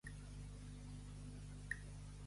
No sé quin Déu em deté!